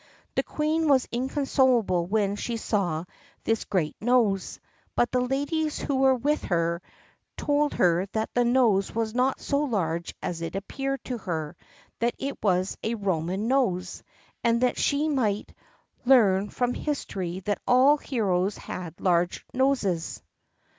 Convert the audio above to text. The Queen was inconsolable when she saw this great nose; but the ladies who were with her told her that the nose was not so large as it appeared to her: that it was a Roman nose, and that she might learn from history that all heroes had large noses.